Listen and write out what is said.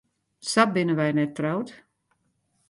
Sa binne wy net troud.